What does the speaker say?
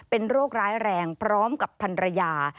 เป็นโรคร้ายแรงพร้อมกับพันรยา